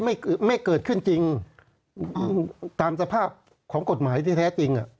ไม่ไม่เกิดขึ้นจริงตามสภาพของกฎหมายที่แท้จริงอ่ะ